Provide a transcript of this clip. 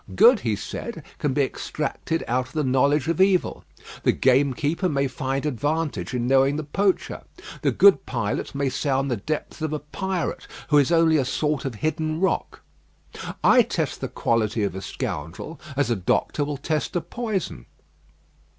"Good," he said, "can be extracted out of the knowledge of evil. The gamekeeper may find advantage in knowing the poacher. The good pilot may sound the depths of a pirate, who is only a sort of hidden rock. I test the quality of a scoundrel as a doctor will test a poison."